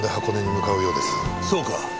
そうか。